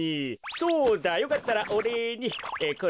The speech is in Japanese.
そうだよかったらおれいにこれを。